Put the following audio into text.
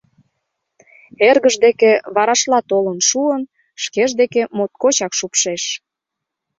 Эргыж деке варашла толын шуын, шкеж деке моткочак шупшеш.